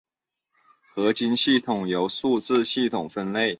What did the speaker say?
合金系统由数字系统分类。